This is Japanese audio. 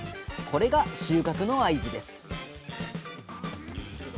これが収穫の合図です